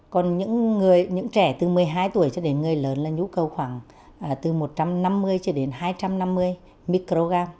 còn những trẻ từ một mươi hai tuổi cho đến người lớn là nhu cầu khoảng từ một trăm năm mươi cho đến hai trăm năm mươi microgram